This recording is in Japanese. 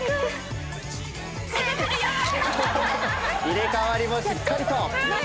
入れ替わりもしっかりと。